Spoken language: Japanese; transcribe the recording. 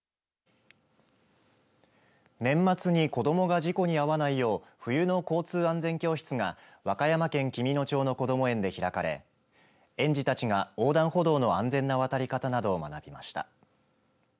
年末に子どもが事故に遭わないよう冬の交通安全教室が和歌山県紀美野町のこども園で開かれ園児たちが横断歩道の安全な渡り方などを学びました。